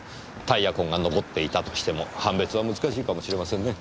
タイヤ痕が残っていたとしても判別は難しいかもしれませんね。